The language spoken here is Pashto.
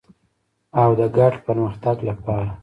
او د ګډ پرمختګ لپاره.